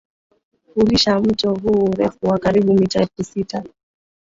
hulisha mto huu urefu wa karibu mita elfusita